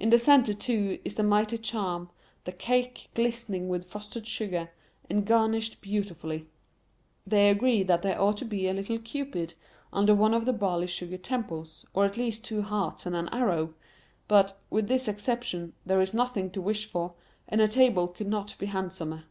In the centre, too, is the mighty charm, the cake, glistening with frosted sugar, and garnished beautifully. They agree that there ought to be a little Cupid under one of the barley sugar temples, or at least two hearts and an arrow; but, with this exception, there is nothing to wish for, and a table could not be handsomer.